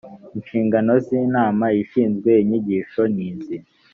inshingano z inama ishinzwe inyigisho ni izi